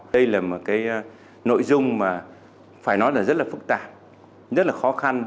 đây là một cái nội dung mà phải nói là rất là phức tạp rất là khó khăn